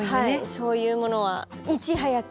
そういうものはいち早く。